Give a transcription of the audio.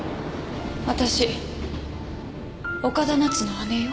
わたし岡田奈津の姉よ